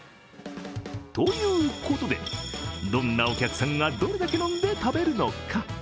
ということで、どんなお客さんがどれだけ飲んで食べるのか。